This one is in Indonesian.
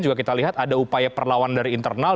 juga kita lihat ada upaya perlawan dari internal